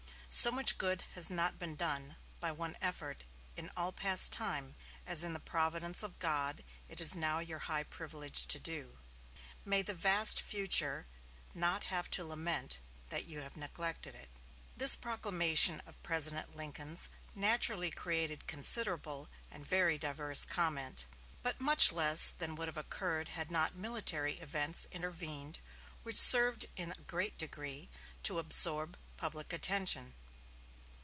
So much good has not been done, by one effort, in all past time, as in the providence of God it is now your high privilege to do. May the vast future not have to lament that you have neglected it." This proclamation of President Lincoln's naturally created considerable and very diverse comment, but much less than would have occurred had not military events intervened which served in a great degree to absorb public attention.